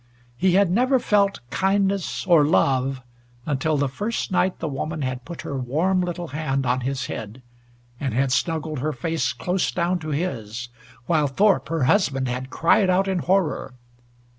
He had never felt kindness, or love, until the first night the woman had put her warm little hand on his head, and had snuggled her face close down to his, while Thorpe her husband had cried out in horror.